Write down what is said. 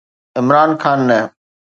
عمران خان نه.